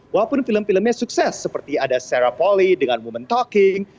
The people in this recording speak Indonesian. walaupun film filmnya sukses seperti ada sarah pauly dengan woman talking